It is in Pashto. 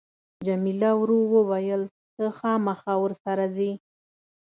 جميله ورو وویل ته خامخا ورسره ځې.